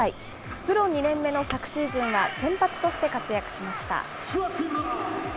プロ２年目の昨シーズンは、先発として活躍しました。